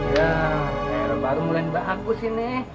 ya air baru mulai ngebah aku sini